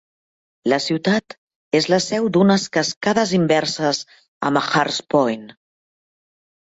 La ciutat és la seu d'unes cascades inverses a Mahar's Point.